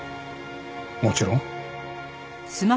もちろん。